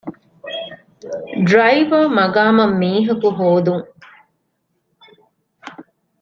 ޑްރައިވަރ މަގާމަށް މީހަކު ހޯދުން